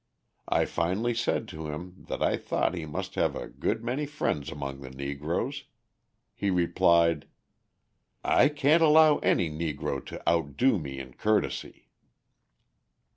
I finally said to him that I thought he must have a good many friends among the Negroes. He replied: "'I can't allow any Negro to outdo me in courtesy.'"